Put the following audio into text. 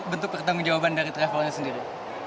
bentuk pertanggung jawaban dari travelnya sendiri